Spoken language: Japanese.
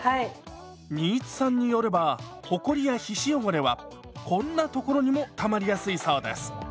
新津さんによればほこりや皮脂汚れはこんな所にもたまりやすいそうです。